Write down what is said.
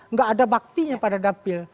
nggak ada baktinya pada dapil